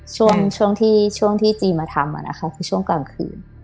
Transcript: ช่วงที่จีมาทำนะคะคือช่วงกลางคืน